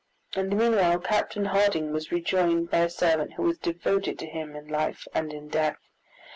In the meanwhile Captain Harding was rejoined by a servant who was devoted to him in life and in death.